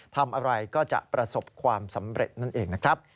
ทำอะไรก็จะประสบความสำเร็จนั่นเองนะครับ